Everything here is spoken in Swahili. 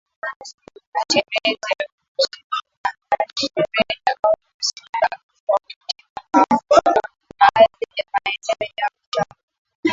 na sherehe au misiba tafakuri tiba maombi kwa baadhi ya maeneo ya Uchifu na